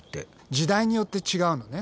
時代によって違うのね。